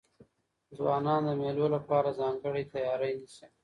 ځوانان د مېلو له پاره ځانګړې تیاری نیسي.